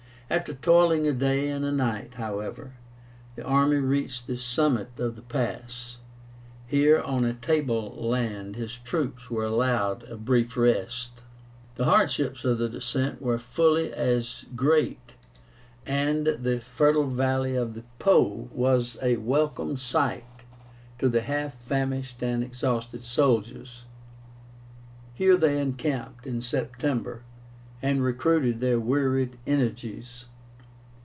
After toiling a day and a night, however, the army reached the summit of the pass. Here, on a table land, his troops were allowed a brief rest. The hardships of the descent were fully as great, and the fertile valley of the Po was a welcome sight to the half famished and exhausted soldiers. Here they encamped, in September, and recruited their wearied energies.